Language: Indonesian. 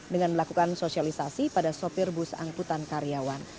dengan melakukan sosialisasi pada sopir bus angkutan karyawan